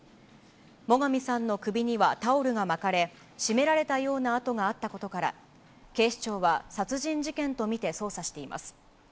最上さんの首にはタオルが巻かれ、絞められたような痕があったことから、警視庁は殺人事件と見て捜査しています。